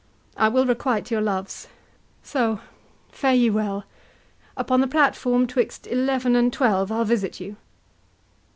I will requite your loves. So, fare ye well. Upon the platform 'twixt eleven and twelve, I'll visit you.